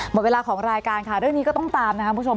หมดเวลาของรายการค่ะเรื่องนี้ก็ต้องตามนะครับคุณผู้ชม